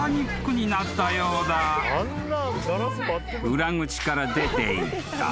［裏口から出ていった］